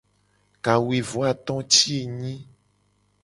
Kawuivoato ti enyi.